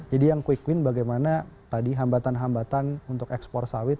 jadi yang quick win bagaimana tadi hambatan hambatan untuk ekspor sawit